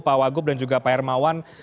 pak wagub dan juga pak hermawan